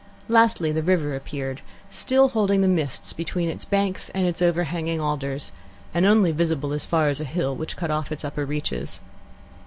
Lastly the river appeared, still holding the mists between its banks and its overhanging alders, and only visible as far as a hill, which cut off its upper reaches.